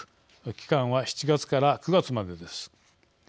期間は７月から９月までです。